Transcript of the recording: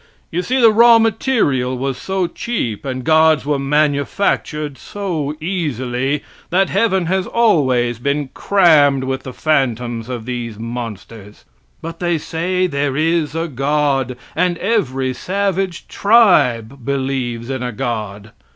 You see the raw material was so cheap, and Gods were manufactured so easily, that heaven has always been crammed with the phantoms of these monsters. But they say there is a god, and every savage tribe believes in a God.